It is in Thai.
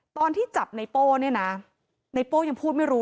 ตอนที่จับไนโป้เนี่ยนะในโป้ยังพูดไม่รู้